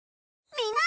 みんな！